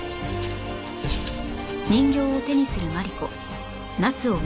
失礼します。